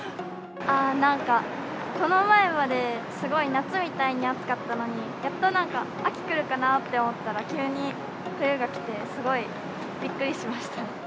なんか、この前まで、すごい夏みたいに暑かったのに、やっと秋来るかなと思ったら、急に冬が来て、すごいびっくりしました。